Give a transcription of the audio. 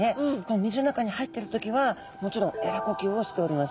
水の中に入ってる時はもちろんえら呼吸をしております。